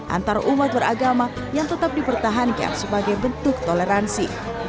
antar umat beragama yang tetap dipertahankan sebagai bentuk toleransi